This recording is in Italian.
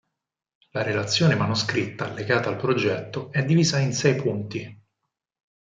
La relazione manoscritta allegata al progetto è divisa in sei punti.